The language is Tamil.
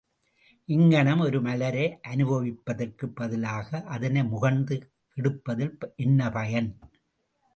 இங்ஙணம் ஒரு மலரை அனுபவிப்பதற்குப் பதிலாக அதனை முகர்ந்து கெடுப்பதில் என்ன பயன்?